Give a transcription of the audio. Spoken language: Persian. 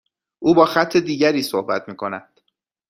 او با خط دیگری صحبت میکند.